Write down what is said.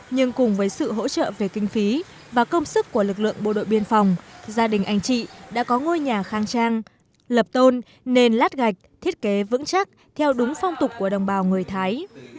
nhưng cùng với sự hỗ trợ về kinh phí và công sức của lực lượng bộ đội biên phòng gia đình anh chị đã có ngôi nhà khang trang lập tôn nên lát gạch thiết kế vững chắc theo đúng phong tục của đồng bào người thái